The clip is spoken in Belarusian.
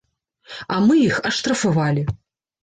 А мы іх аштрафавалі.